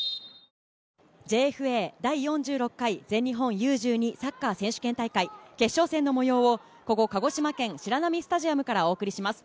ＪＦＡ第４６回全日本Ｕ−１２サッカー選手権大会、決勝戦の模様を鹿児島県白波スタジアムからお送りします。